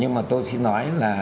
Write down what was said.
nhưng mà tôi xin nói là